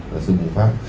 là sự bùng phát